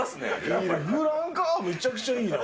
いいね、フランカー、めちゃくちゃいいよ。